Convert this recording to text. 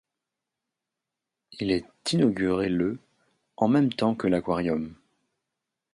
Il est inauguré le en même temps que l'aquarium.